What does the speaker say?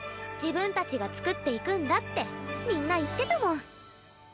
自分たちがつくっていくんだってみんな言ってたもん。